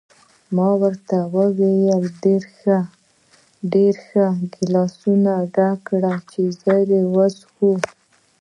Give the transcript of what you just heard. ما ورته وویل: ډېر ښه، ګیلاسونه ډک کړه چې ژر وڅښو.